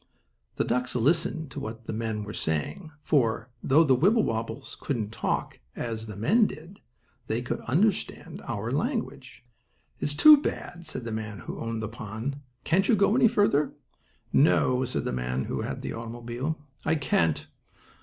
The ducks listened to what the men were saying, for, though the Wibblewobbles couldn't talk as the men did, they could understand our language. "It's too bad," said the man who owned the pond. "Can't you go any farther?" "No," said the man who had the automobile, "I can't.